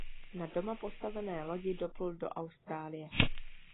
Na doma postavené lodi doplul do Austrálie.